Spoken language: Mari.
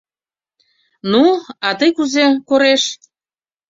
Ну, а тый кузе, кореш?